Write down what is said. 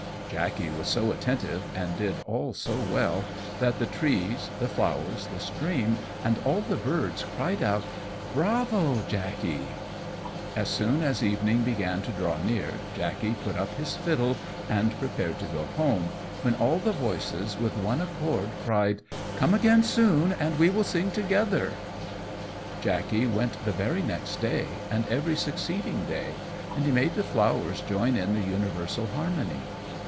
Jackey was so attentive, and did all so well, that the trees, the flowers, the stream, and all the birds cried out "Bravo, Jackey!" As soon as evening began to draw near Jackey put up his fiddle and prepared to go home, when all the voices, with one accord, cried "Come again soon, and we will sing together." Jackey went the very next day, and every succeeding day, and he made the flowers join in the universal harmony.